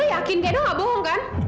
kamu yakin kak edho gak bohong kan